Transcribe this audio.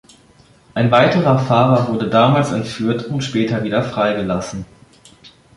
Ein weiterer Fahrer wurde damals entführt und später wieder freigelassen.